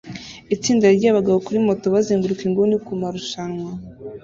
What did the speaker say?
Itsinda ryabagabo kuri moto bazenguruka inguni kumarushanwa